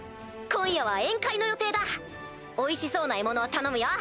今夜は宴会の予定だおいしそうな獲物を頼むよ！